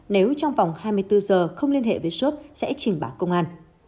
nếu trong vòng hai mươi bốn giờ không liên hệ với sốp sẽ trình bản công an